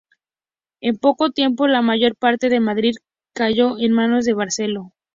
En poco tiempo la mayor parte de Madrid cayó en manos de Barceló.